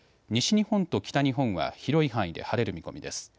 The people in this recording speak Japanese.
西日本と北日本は広い範囲で晴れる見込みです。